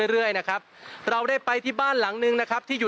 เรื่อยนะครับเราได้ไปที่บ้านหลังนึงนะครับที่อยู่